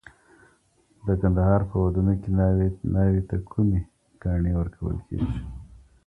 د کندهار په ودونو کي ناوې ته کومي ګاڼې ورکول کېږي؟